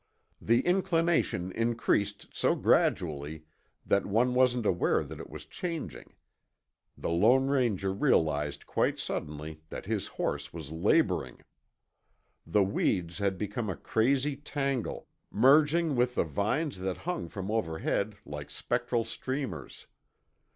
The inclination increased so gradually that one wasn't aware that it was changing. The Lone Ranger realized quite suddenly that his horse was laboring. The weeds had become a crazy tangle, merging with the vines that hung from overhead like spectral streamers.